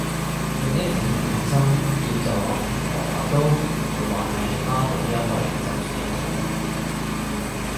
另一款點心要咗蘿蔔糕，無話喺孖寶優惠就縮咗水